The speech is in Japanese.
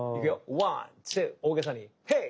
ワンツー大げさにヘイ！